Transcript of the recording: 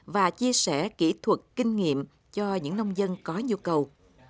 và chia sẻ kỹ thuật kinh nghiệm cho những nông dân có nhu cầu